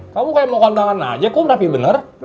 kamu kayak mau kondangan aja kum rapi bener